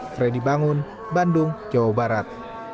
freddy bangun bandung jawa barat